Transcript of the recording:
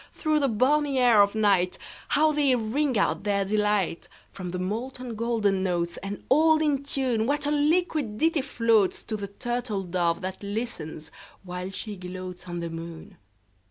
Through the balmy air of nightHow they ring out their delight! From the molten golden notes, And all in tune, What a liquid ditty floatsTo the turtle dove that listens, while she gloatsOn the moon!